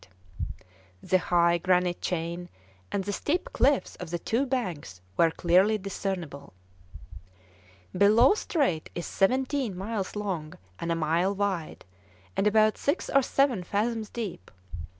The high granite chain and the steep cliffs of the two banks were clearly discernible. Bellot Strait is seventeen miles long and a mile wide, and about six or seven fathoms deep.